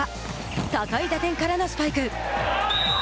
高い打点からのスパイク。